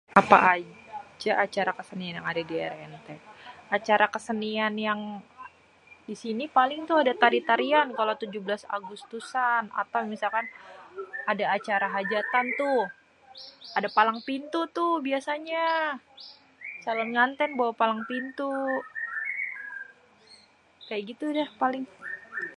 Apa aja acara késénian yang ada di énté ? acara kesenian yang di sini paling tuh ada tari-tarian kalau 17 agustusan atau misalkan ada acara hajatan tuh. Ada palang pintu tuh biasanya sama calon ngantén bawa palang pintu, kaya gitu dah paling.